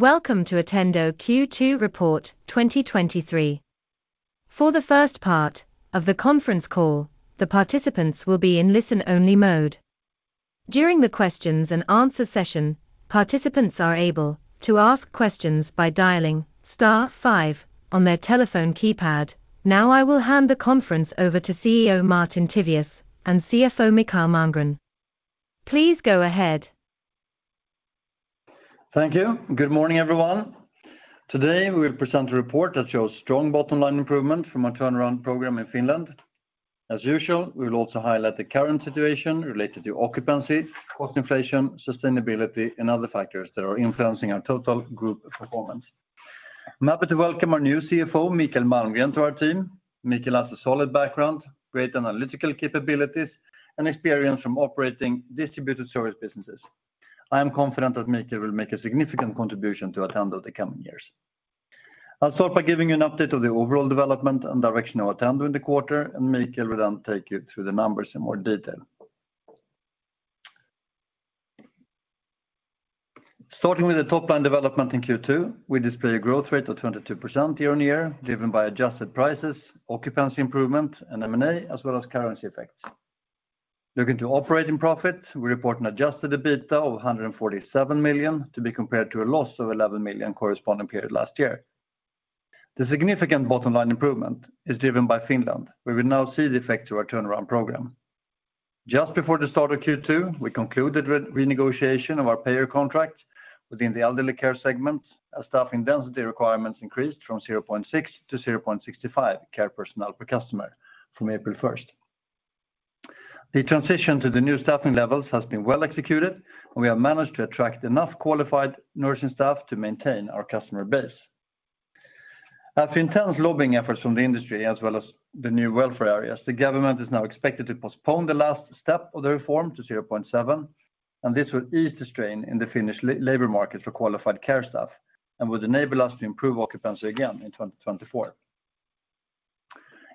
Welcome to Attendo Q2 report 2023. For the first part of the conference call, the participants will be in listen-only mode. During the questions and answer session, participants are able to ask questions by dialing star five on their telephone keypad. I will hand the conference over to CEO Martin Tiveus and CFO Mikael Malmgren. Please go ahead. Thank you. Good morning, everyone. Today, we will present a report that shows strong bottom line improvement from our turnaround program in Finland. As usual, we will also highlight the current situation related to occupancy, cost inflation, sustainability, and other factors that are influencing our total group performance. I'm happy to welcome our new CFO, Mikael Malmgren, to our team. Mikael has a solid background, great analytical capabilities, and experience from operating distributed service businesses. I am confident that Mikael will make a significant contribution to Attendo in the coming years. I'll start by giving you an update of the overall development and direction of Attendo in the quarter. Mikael will then take you through the numbers in more detail. Starting with the top line development in Q2, we display a growth rate of 22% year-on-year, driven by adjusted prices, occupancy improvement, and M&A, as well as currency effects. Looking to operating profit, we report an adjusted EBITDA of 147 million, to be compared to a loss of 11 million corresponding period last year. The significant bottom line improvement is driven by Finland. We will now see the effect to our turnaround program. Just before the start of Q2, we concluded renegotiation of our payer contract within the elderly care segment, as staffing density requirements increased from 0.6 to 0.65 care personnel per customer from April 1. The transition to the new staffing levels has been well executed, and we have managed to attract enough qualified nursing staff to maintain our customer base. After intense lobbying efforts from the industry as well as the new welfare, the government is now expected to postpone the last step of the reform to 0.7, and this will ease the strain in the Finnish labor market for qualified care staff, and will enable us to improve occupancy again in 2024.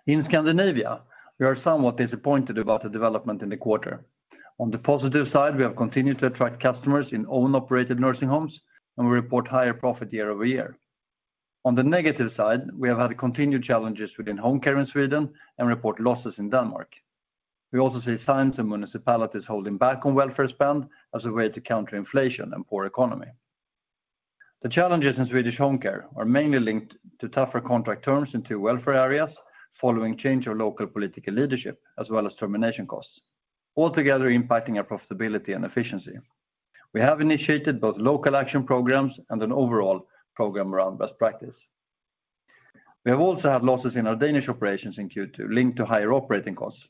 In Scandinavia, we are somewhat disappointed about the development in the quarter. On the positive side, we have continued to attract customers in own-operated nursing homes, and we report higher profit year-over-year. On the negative side, we have had continued challenges within home care in Sweden and report losses in Denmark. We also see signs of municipalities holding back on welfare spend as a way to counter inflation and poor economy. The challenges in Swedish home care are mainly linked to tougher contract terms in to welfare area, following change of local political leadership, as well as termination costs, altogether impacting our profitability and efficiency. We have initiated both local action programs and an overall program around best practice. We have also had losses in our Danish operations in Q2, linked to higher operating costs.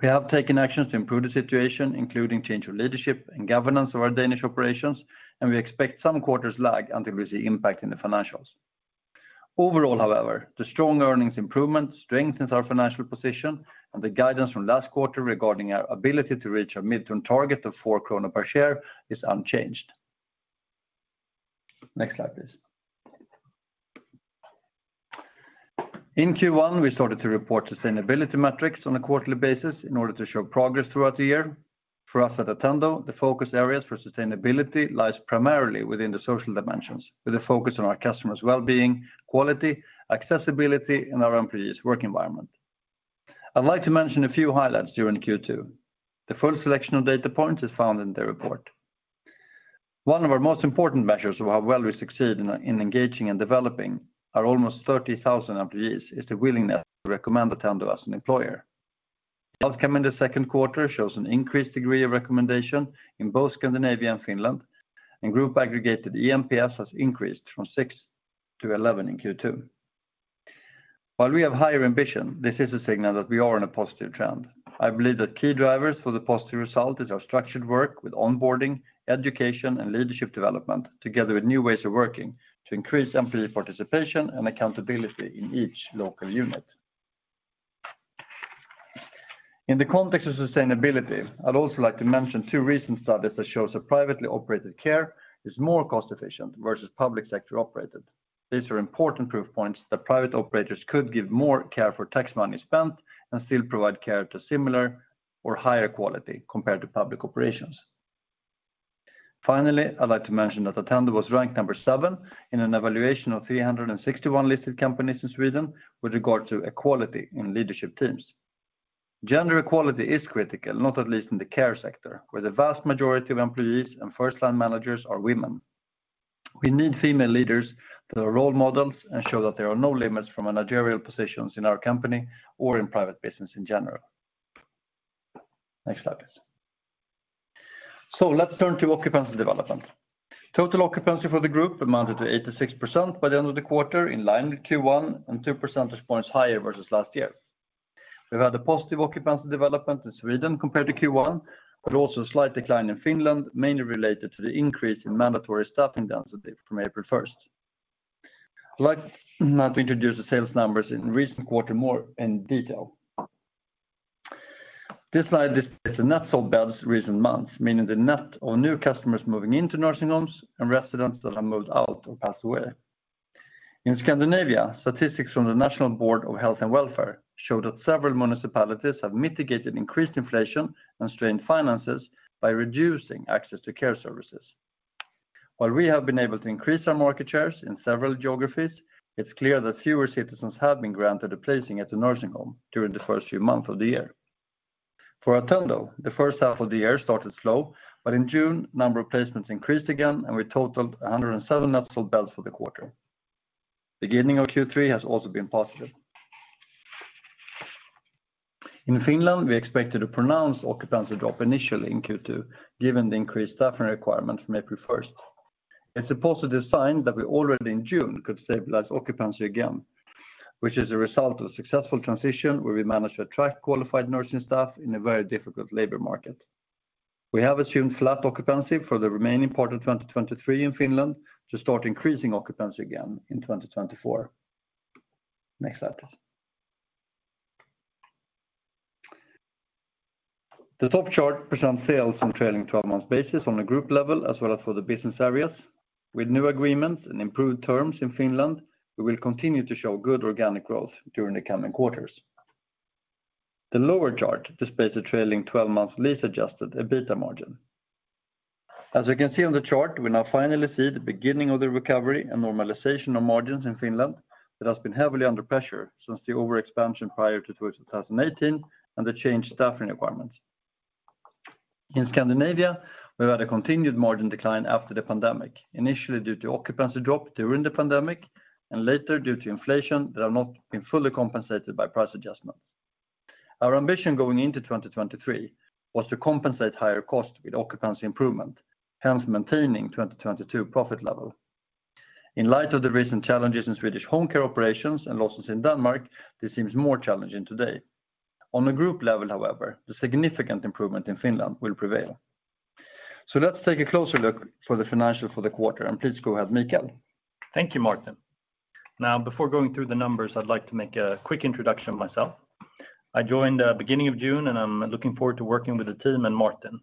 We have taken actions to improve the situation, including change of leadership and governance of our Danish operations. We expect some quarters' lag until we see impact in the financials. Overall, however, the strong earnings improvement strengthens our financial position. The guidance from last quarter regarding our ability to reach a midterm target of 4 krona per share is unchanged. Next slide, please. In Q1, we started to report sustainability metrics on a quarterly basis in order to show progress throughout the year. For us at Attendo, the focus areas for sustainability lies primarily within the social dimensions, with a focus on our customers' well-being, quality, accessibility, and our employees' work environment. I'd like to mention a few highlights during Q2. The full selection of data points is found in the report. One of our most important measures of how well we succeed in engaging and developing our almost 30,000 employees is the willingness to recommend Attendo as an employer. Outcome in the second quarter shows an increased degree of recommendation in both Scandinavia and Finland, and group aggregated eNPS has increased from six to 11 in Q2. While we have higher ambition, this is a signal that we are in a positive trend. I believe that key drivers for the positive result is our structured work with onboarding, education, and leadership development, together with new ways of working to increase employee participation and accountability in each local unit. In the context of sustainability, I'd also like to mention two recent studies that shows that privately operated care is more cost-efficient versus public sector operated. These are important proof points that private operators could give more care for tax money spent and still provide care to similar or higher quality compared to public operations. Finally, I'd like to mention that Attendo was ranked number seven in an evaluation of 361 listed companies in Sweden with regard to equality in leadership teams. Gender equality is critical, not at least in the care sector, where the vast majority of employees and first-line managers are women. We need female leaders that are role models and show that there are no limits from managerial positions in our company or in private business in general. Next slide, please. Let's turn to occupancy development. Total occupancy for the group amounted to 86% by the end of the quarter, in line with Q1, and 2 percentage points higher versus last year. We've had a positive occupancy development in Sweden compared to Q1, but also a slight decline in Finland, mainly related to the increase in mandatory staffing density from April 1st. I'd like now to introduce the sales numbers in recent quarter more in detail. This slide displays the net sold beds recent months, meaning the net of new customers moving into nursing homes and residents that have moved out or passed away. In Scandinavia, statistics from the National Board of Health and Welfare show that several municipalities have mitigated increased inflation and strained finances by reducing access to care services. While we have been able to increase our market shares in several geographies, it's clear that fewer citizens have been granted a placing at the nursing home during the first few months of the year. For Attendo, the first half of the year started slow, but in June, number of placements increased again, and we totaled 107 net new beds for the quarter. Beginning of Q3 has also been positive. In Finland, we expected a pronounced occupancy drop initially in Q2, given the increased staffing requirements from April 1st. It's a positive sign that we already in June could stabilize occupancy again, which is a result of a successful transition, where we managed to attract qualified nursing staff in a very difficult labor market. We have assumed flat occupancy for the remaining part of 2023 in Finland to start increasing occupancy again in 2024. Next slide, please. The top chart presents sales on trailing 12 months basis on a group level, as well as for the business areas. With new agreements and improved terms in Finland, we will continue to show good organic growth during the coming quarters. The lower chart displays a trailing 12 months lease-adjusted EBITDA margin. You can see on the chart, we now finally see the beginning of the recovery and normalization of margins in Finland, that has been heavily under pressure since the overexpansion prior to 2018 and the changed staffing requirements. In Scandinavia, we've had a continued margin decline after the pandemic, initially due to occupancy drop during the pandemic, and later due to inflation that have not been fully compensated by price adjustments. Our ambition going into 2023 was to compensate higher cost with occupancy improvement, hence maintaining 2022 profit level. In light of the recent challenges in Swedish home care operations and losses in Denmark, this seems more challenging today. On a group level, however, the significant improvement in Finland will prevail. Let's take a closer look for the financial for the quarter, and please go ahead, Mikael. Thank you, Martin. Before going through the numbers, I'd like to make a quick introduction of myself. I joined beginning of June, and I'm looking forward to working with the team and Martin.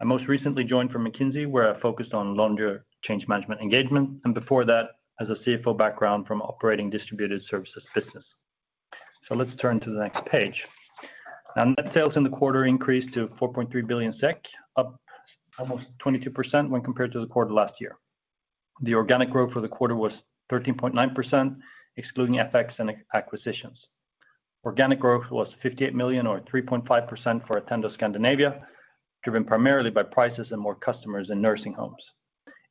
I most recently joined from McKinsey, where I focused on longer change management engagement, and before that, as a CFO background from operating distributed services business. Let's turn to the next page. Net sales in the quarter increased to 4.3 billion SEK, up almost 22% when compared to the quarter last year. The organic growth for the quarter was 13.9%, excluding FX and acquisitions. Organic growth was 58 million or 3.5% for Attendo Scandinavia, driven primarily by prices and more customers in nursing homes.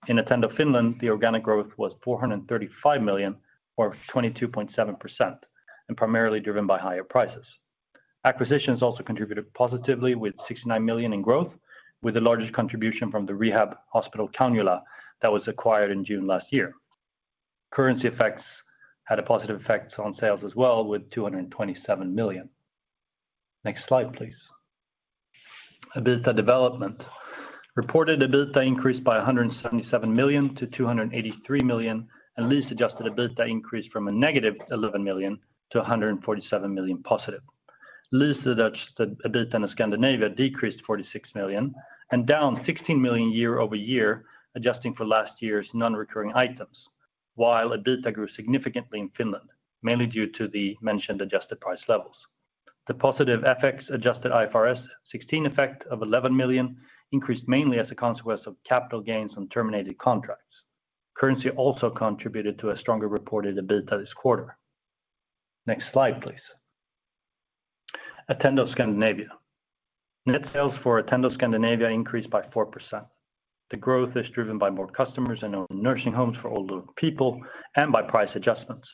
In Attendo Finland, the organic growth was 435 million, or 22.7%, primarily driven by higher prices. Acquisitions also contributed positively with 69 million in growth, with the largest contribution from the rehab hospital, Kangasala, that was acquired in June last year. Currency effects had a positive effect on sales as well, with 227 million. Next slide, please. EBITDA development. Reported EBITDA increased by 177 million to 283 million, lease-adjusted EBITDA increased from a -11 million to +147 million. Lease-adjusted EBITDA in Scandinavia decreased 46 million and down 16 million year-over-year, adjusting for last year's non-recurring items, while EBITDA grew significantly in Finland, mainly due to the mentioned adjusted price levels. The positive FX-adjusted IFRS 16 effect of 11 million increased mainly as a consequence of capital gains on terminated contracts. Currency also contributed to a stronger reported EBITDA this quarter. Next slide, please. Attendo Scandinavia. Net sales for Attendo Scandinavia increased by 4%. The growth is driven by more customers in our nursing homes for older people and by price adjustments,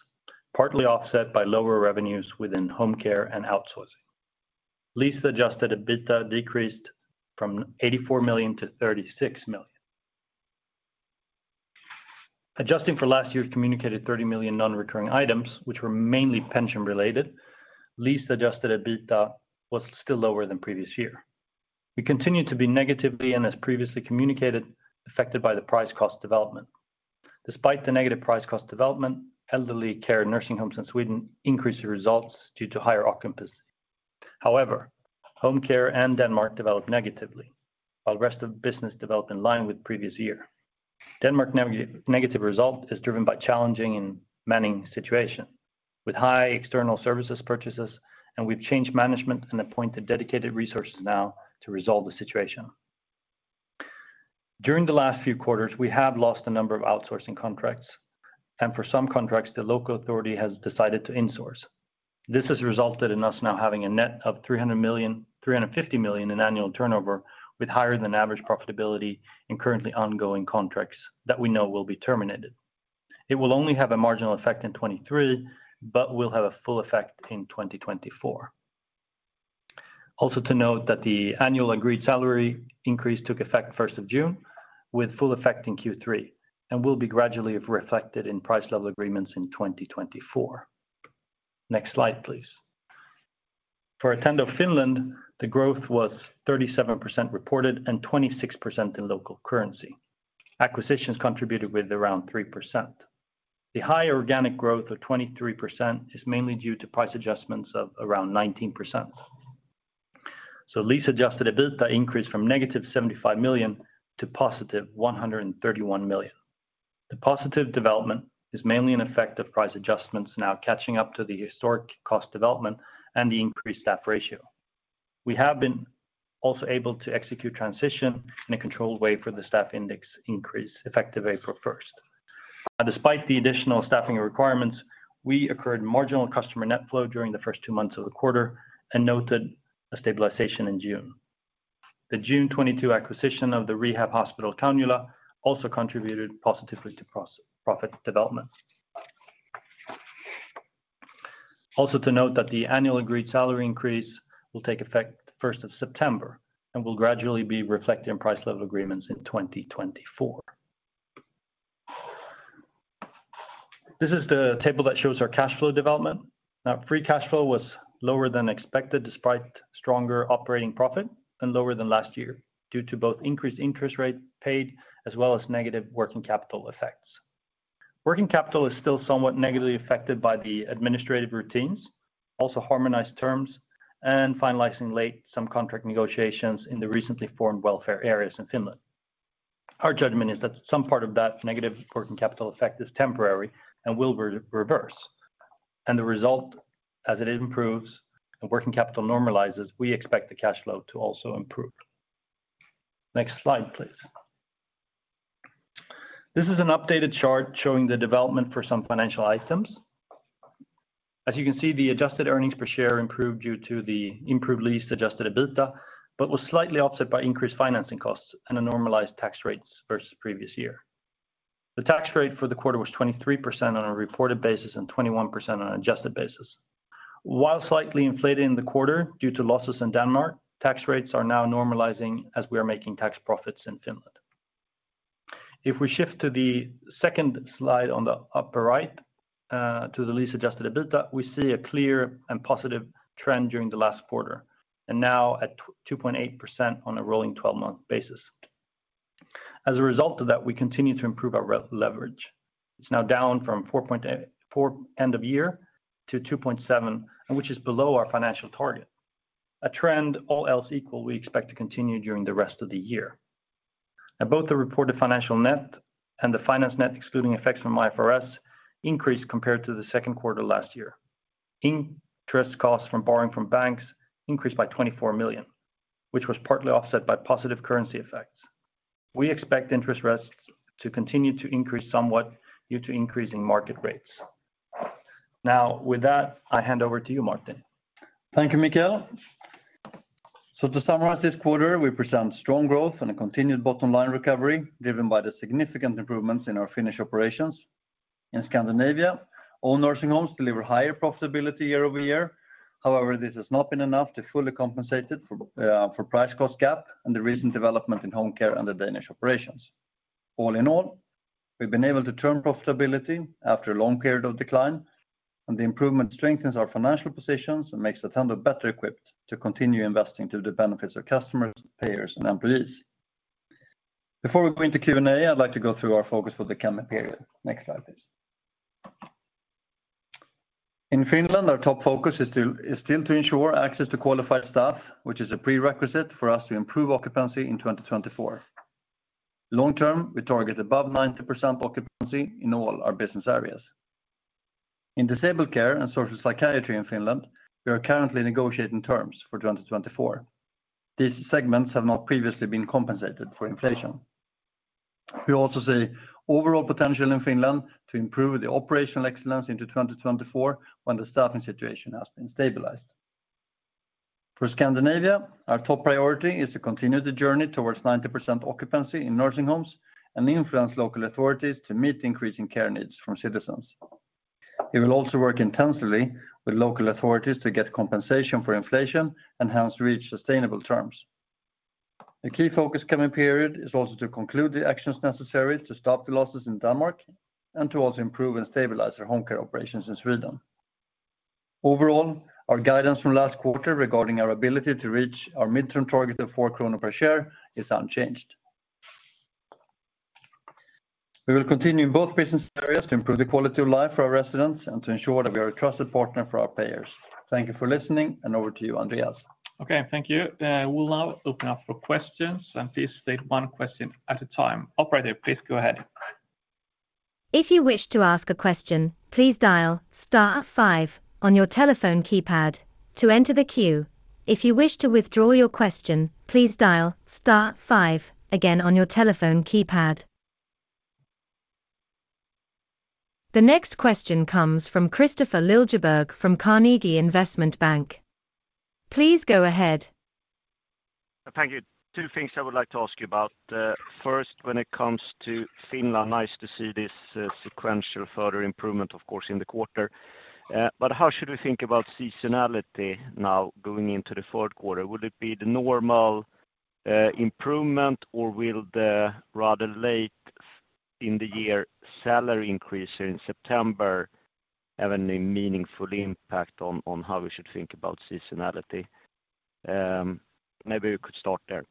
partly offset by lower revenues within home care and outsourcing. Lease-adjusted EBITDA decreased from 84 million to 36 million. Adjusting for last year's communicated 30 million non-recurring items, which were mainly pension-related, lease-adjusted EBITDA was still lower than previous year. We continue to be negatively, and as previously communicated, affected by the price cost development. Despite the negative price cost development, elderly care nursing homes in Sweden increased the results due to higher occupancy. However, home care and Denmark developed negatively, while rest of business developed in line with previous year. Denmark negative result is driven by challenging manning situation, with high external services purchases, and we've changed management and appointed dedicated resources now to resolve the situation. During the last few quarters, we have lost a number of outsourcing contracts, and for some contracts, the local authority has decided to insource. This has resulted in us now having a net of 350 million in annual turnover, with higher than average profitability in currently ongoing contracts that we know will be terminated. It will only have a marginal effect in 2023, but will have a full effect in 2024. To note that the annual agreed salary increase took effect first of June, with full effect in Q3, and will be gradually reflected in price level agreements in 2024. Next slide, please. For Attendo Finland, the growth was 37% reported and 26% in local currency. Acquisitions contributed with around 3%. The high organic growth of 23% is mainly due to price adjustments of around 19%. lease-adjusted EBITDA increased from -75 million to +131 million. The positive development is mainly an effect of price adjustments now catching up to the historic cost development and the increased staff ratio. We have been also able to execute transition in a controlled way for the staff index increase, effective April 1st. Despite the additional staffing requirements, we occurred marginal customer net flow during the first two months of the quarter and noted a stabilization in June. The June 2022 acquisition of the rehab hospital, Kangasala, also contributed positively to profit development. To note that the annual agreed salary increase will take effect the 1st of September and will gradually be reflected in price level agreements in 2024. This is the table that shows our cash flow development. Free cash flow was lower than expected, despite stronger operating profit and lower than last year, due to both increased interest rate paid as well as negative working capital effects. Working capital is still somewhat negatively affected by the administrative routines, also harmonized terms, and finalizing late some contract negotiations in the recently formed welfare areas in Finland. Our judgment is that some part of that negative working capital effect is temporary and will reverse. The result, as it improves and working capital normalizes, we expect the cash flow to also improve. Next slide, please. This is an updated chart showing the development for some financial items. As you can see, the adjusted earnings per share improved due to the improved lease-adjusted EBITDA, but was slightly offset by increased financing costs and a normalized tax rates versus previous year. The tax rate for the quarter was 23% on a reported basis and 21% on an adjusted basis. While slightly inflated in the quarter due to losses in Denmark, tax rates are now normalizing as we are making tax profits in Finland. If we shift to the second slide on the upper right, to the lease-adjusted EBITDA, we see a clear and positive trend during the last quarter, and now at 2.8% on a rolling 12-month basis. As a result of that, we continue to improve our leverage. It's now down from 4 end of year to 2.7, and which is below our financial target. A trend, all else equal, we expect to continue during the rest of the year. Both the reported financial net and the finance net, excluding effects from IFRS, increased compared to the second quarter last year. Interest costs from borrowing from banks increased by 24 million, which was partly offset by positive currency effects. We expect interest risks to continue to increase somewhat due to increasing market rates. With that, I hand over to you, Martin. Thank you, Mikael. To summarize this quarter, we present strong growth and a continued bottom-line recovery, driven by the significant improvements in our Finnish operations. In Scandinavia, all nursing homes deliver higher profitability year-over-year. This has not been enough to fully compensate it for price cost gap and the recent development in home care and the Danish operations. All in all, we've been able to turn profitability after a long period of decline, and the improvement strengthens our financial positions and makes Attendo better equipped to continue investing to the benefits of customers, payers, and employees. Before we go into Q&A, I'd like to go through our focus for the coming period. Next slide, please. In Finland, our top focus is still to ensure access to qualified staff, which is a prerequisite for us to improve occupancy in 2024. Long term, we target above 90% occupancy in all our business areas. In disabled care and social psychiatry in Finland, we are currently negotiating terms for 2024. These segments have not previously been compensated for inflation. We also see overall potential in Finland to improve the operational excellence into 2024, when the staffing situation has been stabilized. For Scandinavia, our top priority is to continue the journey towards 90% occupancy in nursing homes and influence local authorities to meet increasing care needs from citizens. We will also work intensively with local authorities to get compensation for inflation and hence reach sustainable terms. A key focus coming period is also to conclude the actions necessary to stop the losses in Denmark and to also improve and stabilize our home care operations in Sweden. Overall, our guidance from last quarter regarding our ability to reach our midterm target of 4 krona per share is unchanged. We will continue in both business areas to improve the quality of life for our residents and to ensure that we are a trusted partner for our payers. Thank you for listening, and over to you, Andreas. Okay, thank you. We'll now open up for questions. Please state one question at a time. Operator, please go ahead. If you wish to ask a question, please dial star five on your telephone keypad to enter the queue. If you wish to withdraw your question, please dial star five again on your telephone keypad. The next question comes from Kristofer Liljeberg from Carnegie Investment Bank. Please go ahead. Thank you. Two things I would like to ask you about. First, when it comes to Finland, nice to see this sequential further improvement, of course, in the quarter. How should we think about seasonality now going into the fourth quarter? Would it be the normal improvement, or will the rather late in the year salary increase in September have any meaningful impact on how we should think about seasonality? Maybe you could start there.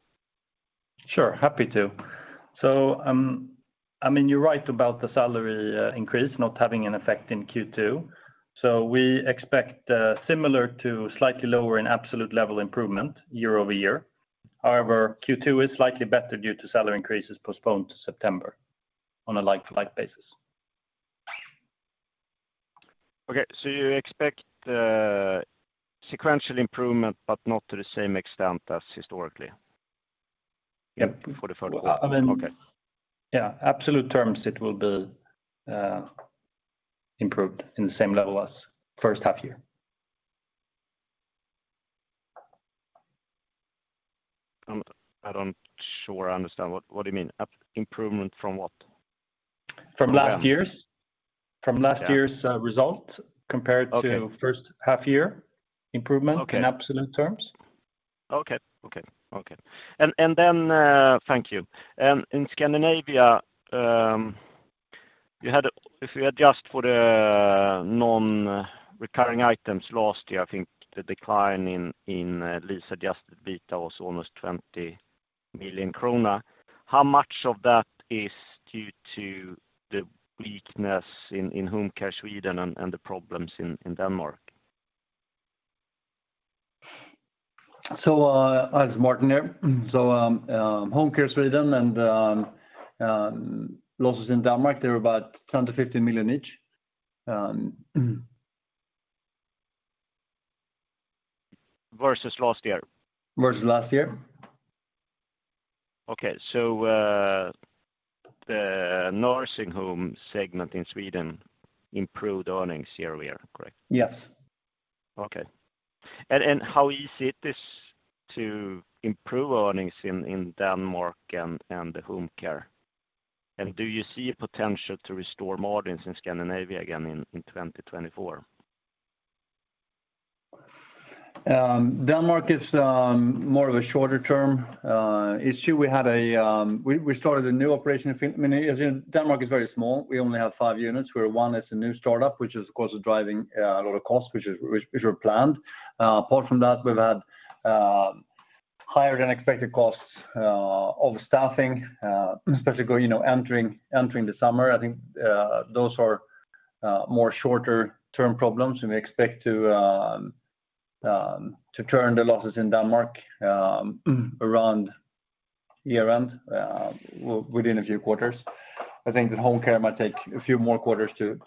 Sure, happy to. I mean, you're right about the salary increase not having an effect in Q2. We expect similar to slightly lower in absolute level improvement year-over-year. However, Q2 is slightly better due to salary increases postponed to September on a like-to-like basis. You expect sequential improvement, but not to the same extent as historically? Yep. Before the fourth quarter. Okay. Yeah, absolute terms, it will be improved in the same level as first half year. I don't sure I understand. What do you mean? Up improvement from what? From last year's result to first half year improvement Okay In absolute terms. Okay, okay. Thank you. In Scandinavia, if you adjust for the non-recurring items last year, I think the decline in lease-adjusted EBITDA was almost 20 million krona. How much of that is due to the weakness in home care Sweden and the problems in Denmark? As Martin there, so home care Sweden and losses in Denmark, they were about 10 million-15 million each. Versus last year? Versus last year. Okay, the nursing home segment in Sweden improved earnings year-over-year, correct? Yes. Okay. How easy it is to improve earnings in Denmark and the home care? Do you see a potential to restore margins in Scandinavia again in 2024? Denmark is more of a shorter term issue. We started a new operation a few, many years. Denmark is very small. We only have five units, where one is a new startup, which is, of course, driving a lot of costs, which were planned. Apart from that, we've had higher than expected costs of staffing, especially going, you know, entering the summer. I think those are more shorter term problems, and we expect to turn the losses in Denmark around year-end within a few quarters. I think the home care might take a few more quarters to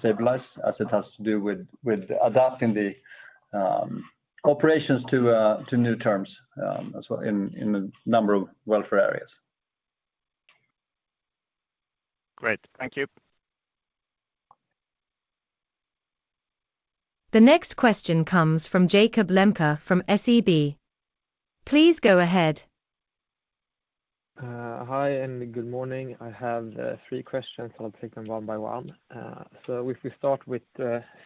stabilize, as it has to do with adapting the operations to new terms, so in a number of welfare reform. Great. Thank you. The next question comes from Jakob Lembke from SEB. Please go ahead. Hi, and good morning. I have three questions. I'll take them one by one. If we start with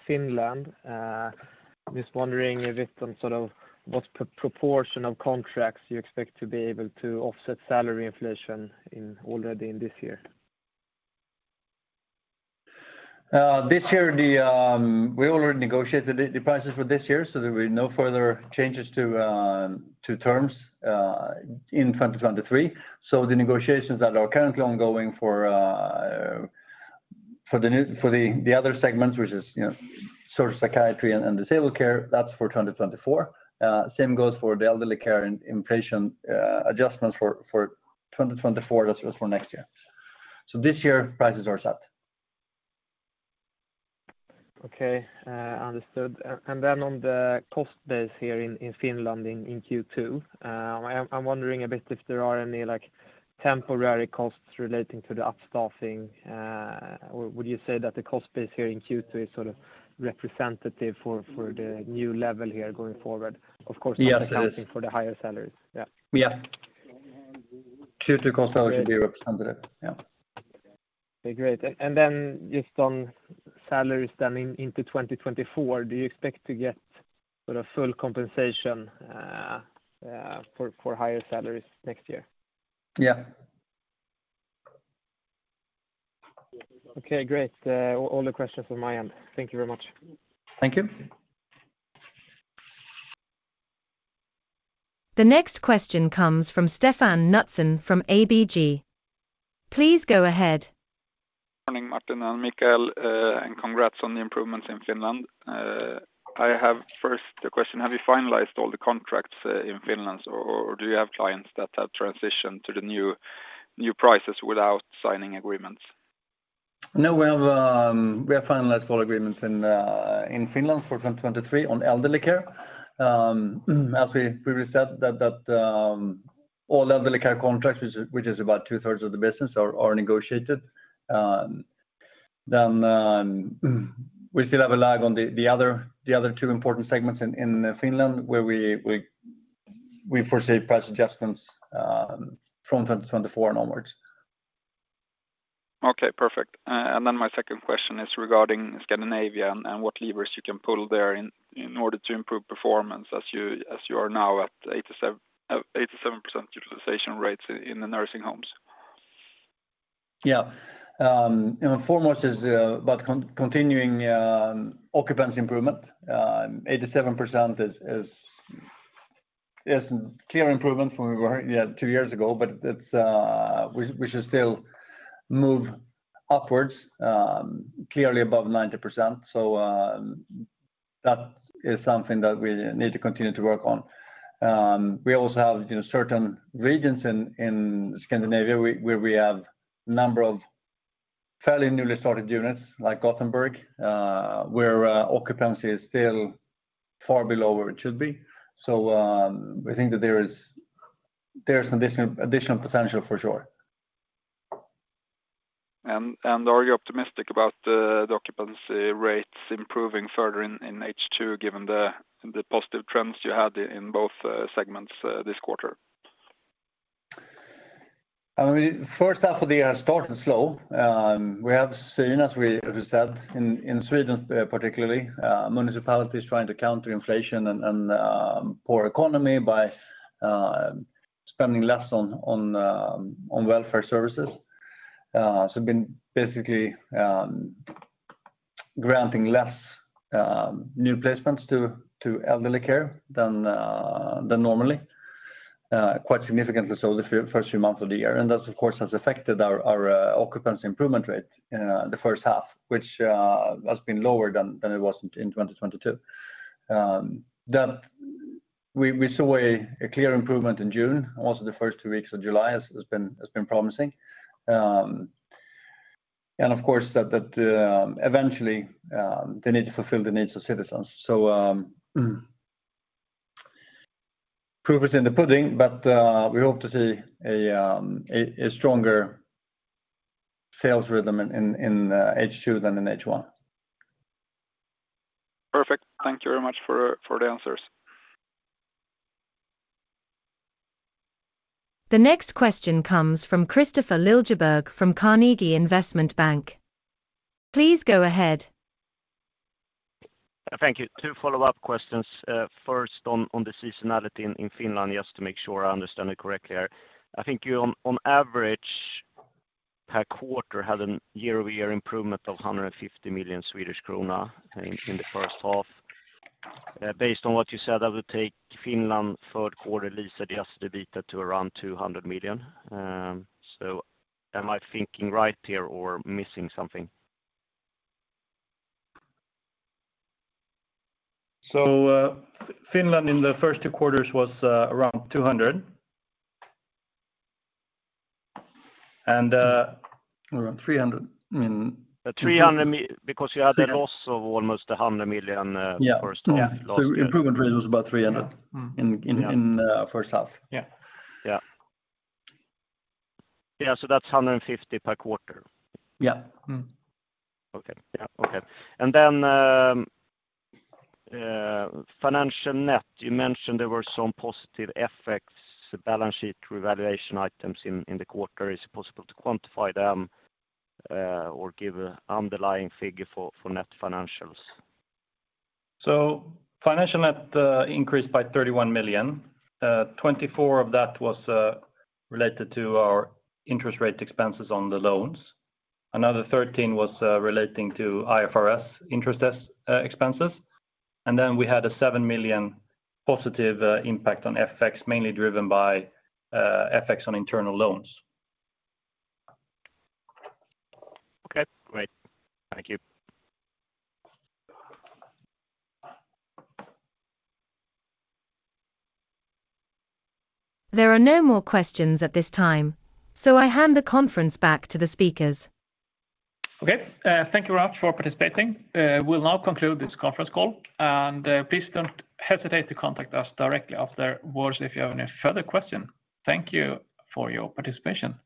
Finland, just wondering a bit on sort of what proportion of contracts you expect to be able to offset salary inflation already in this year? This year, we already negotiated the prices for this year, so there will be no further changes to terms in 2023. The negotiations that are currently ongoing for the other segments, which is sort of psychiatry and disabled care, that's for 2024. Same goes for the elderly care and inpatient adjustments for 2024, that's for next year. This year, prices are set. Okay, understood. And then on the cost base here in Finland, in Q2, I'm wondering a bit if there are any, like, temporary costs relating to the upstaffing, or would you say that the cost base here in Q2 is sort of representative for the new level here going forward? Of course... Yes, it is. accounting for the higher salaries. Yeah. Yeah. Q2 costs should be representative. Yeah. Okay, great. Then just on salaries then into 2024, do you expect to get sort of full compensation, for higher salaries next year? Yeah. Okay, great. All the questions from my end. Thank you very much. Thank you. The next question comes from Stefan Knutsson from ABG. Please go ahead. Morning, Martin and Mikael. Congrats on the improvements in Finland. I have first a question: Have you finalized all the contracts in Finland, or do you have clients that have transitioned to the new prices without signing agreements? We have finalized all agreements in Finland for 2023 on elderly care. As we reset that, all elderly care contracts, which is about 2/3 of the business, are negotiated. We still have a lag on the other two important segments in Finland, where we foresee price adjustments from 2024 and onwards. Okay, perfect. Then my second question is regarding Scandinavia and what levers you can pull there in order to improve performance as you are now at 87% utilization rates in the nursing homes? Yeah. you know, foremost is about continuing occupancy improvement. 87% is clear improvement from where we were, yeah, two years ago, but it's we should still move upwards, clearly above 90%. That is something that we need to continue to work on. We also have certain regions in Scandinavia, where we have a number of fairly newly started units, like Gothenburg, where occupancy is still far below where it should be. We think that there is additional potential for sure. Are you optimistic about the occupancy rates improving further in H2, given the positive trends you had in both segments this quarter? I mean, first half of the year started slow. We have seen, as we said, in Sweden, particularly, municipalities trying to counter inflation and, poor economy by spending less on welfare services. Been basically granting less new placements to elderly care than normally, quite significantly so the first few months of the year. That, of course, has affected our occupancy improvement rate in the first half, which has been lower than it was in 2022. That we saw a clear improvement in June. Also, the first two weeks of July has been promising. Of course, that, eventually, they need to fulfill the needs of citizens. Proof is in the pudding, but we hope to see a stronger sales rhythm in H2 than in H1. Perfect. Thank you very much for the answers. The next question comes from Kristofer Liljeberg from Carnegie Investment Bank. Please go ahead. Thank you. Two follow-up questions. First on the seasonality in Finland, just to make sure I understand it correctly here. I think you, on average, per quarter, had an year-over-year improvement of 150 million Swedish krona in the first half. Based on what you said, that would take Finland third quarter lease-adjusted EBITDA to around 200 million. Am I thinking right here or missing something? Finland in the first two quarters was around 200. Around 300 in- You had a loss of almost 100 million. Yeah. First half last year. The improvement rate was about 300- Yeah. in, first half. Yeah. Yeah, that's 150 per quarter? Yeah. Okay. Yeah, okay. financial net, you mentioned there were some positive effects, balance sheet revaluation items in the quarter. Is it possible to quantify them or give an underlying figure for net financials? Financial net increased by 31 million. 24 million of that was related to our interest rate expenses on the loans. Another 13 million was relating to IFRS interest expenses. We had a 7 million positive impact on FX, mainly driven by FX on internal loans. Okay, great. Thank you. There are no more questions at this time. I hand the conference back to the speakers. Okay. Thank you very much for participating. We'll now conclude this conference call, and, please don't hesitate to contact us directly afterwards if you have any further question. Thank you for your participation.